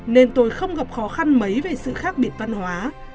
nên tôi không gặp khó khăn mấy về sự khác biệt văn hóa